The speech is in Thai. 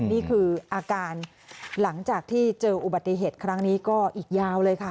นี่คืออาการหลังจากที่เจออุบัติเหตุครั้งนี้ก็อีกยาวเลยค่ะ